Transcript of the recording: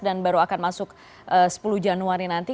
dan baru akan masuk sepuluh januari nanti